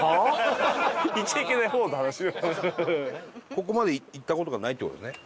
ここまで行った事がないって事ですね？